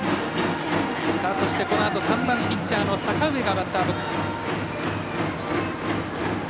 このあと３番ピッチャーの阪上がバッターボックス。